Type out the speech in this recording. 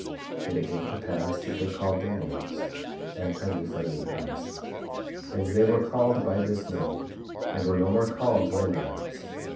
23:17 And it came to pass that they called their names Anti Nephi Lehies; and they were called by this name and were no more called Lamanites.